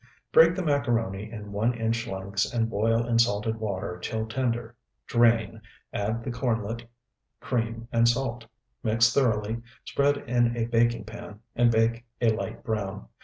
Break the macaroni in one inch lengths and boil in salted water till tender. Drain, add the kornlet, cream, and salt. Mix thoroughly, spread in a baking pan, and bake a light brown.